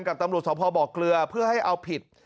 กับตำรวจสภบ่อเกลือเพื่อให้เอาผิด